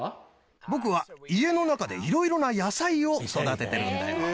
僕は家の中で色々な野菜を育ててるんだよ。